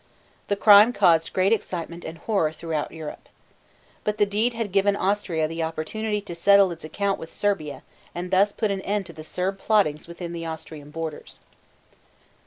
The crime caused great excitement and horror throughout Europe. But the deed had given Austria the opportunity to settle its account with Serbia and thus put an end to the Serb plottings within the Austrian borders.